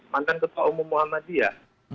mantan ketua umum muhammadiyah